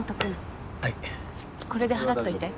これで払っといて。